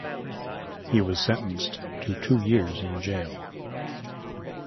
He was sentenced to two years in jail.